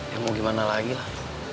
ya mau gimana lagi lah